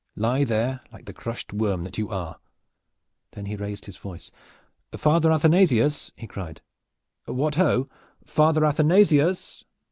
Lie there, like the crushed worm that you are!" Then he raised his voice. "Father Athanasius!" he cried. "What ho! Father Athanasius!"